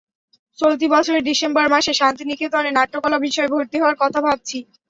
চলতি বছরের ডিসেম্বর মাসে শান্তিনিকেতনে নাট্যকলা বিষয়ে ভর্তি হওয়ার কথা ভাবছি।